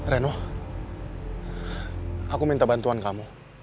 reno aku minta bantuan kamu